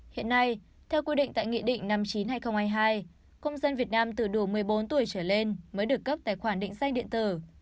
hiện nay theo quy định tại nghị định năm mươi chín hai nghìn hai mươi hai công dân việt nam từ đủ một mươi bốn tuổi trở lên mới được cấp tài khoản định danh điện tử